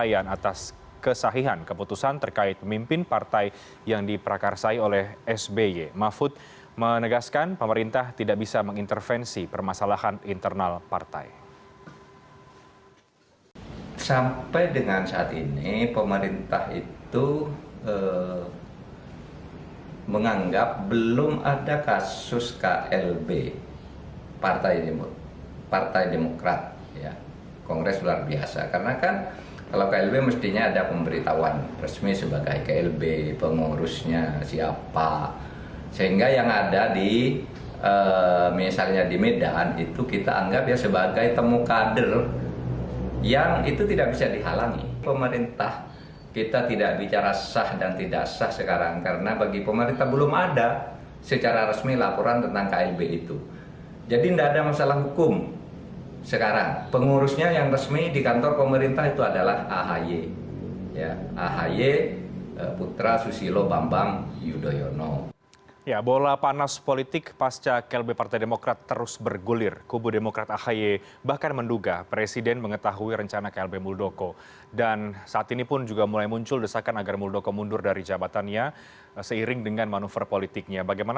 ini penting sekali untuk harus memang dijelaskan